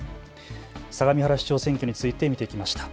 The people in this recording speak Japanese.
相模原市長選挙について見ていきました。